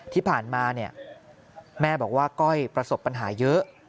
ที่ผ่านมาแม่บอกว่าก้อยประสบปัญหาเยอะ